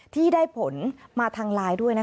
ที่ได้ผลมาทางลายด้วยนะคะ